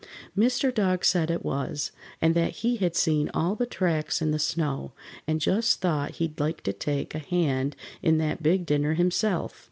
Mr. Dog said it was, and that he had seen all the tracks in the snow, and just thought he'd like to take a hand in that big dinner himself.